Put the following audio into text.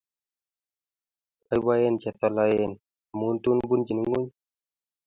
Boiboen che taloen, amun tun bunchin ng'wony.